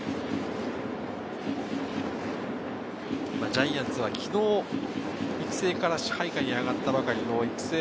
ジャイアンツは昨日、育成から支配下に上がったばかりの育成